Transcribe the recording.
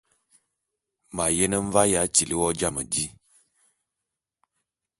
M’ ayene mvae ya tili wo jam di.